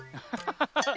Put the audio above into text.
ハハハハ。